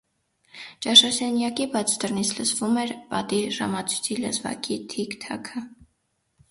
Ճաշասենյակի բաց դռնից լսվում էր պատի ժամացույցի լեզվակի թիք-թաքը: